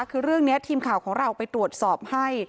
คือเรื่องนี้ทีมข่าวของเราไปตรวจสอบให้